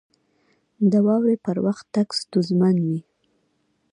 • د واورې پر وخت تګ ستونزمن وي.